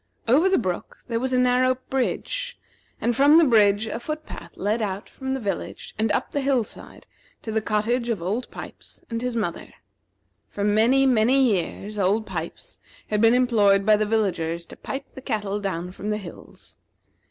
Over the brook there was a narrow bridge, and from the bridge a foot path led out from the village and up the hill side, to the cottage of Old Pipes and his mother. For many, many years, Old Pipes had been employed by the villagers to pipe the cattle down from the hills.